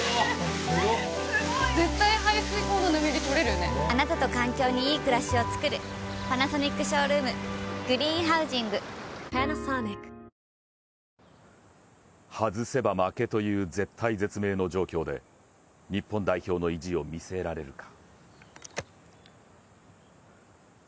わたしを止めないぴんぽん外せば負けという絶体絶命の状況で日本代表の意地を見せられるか。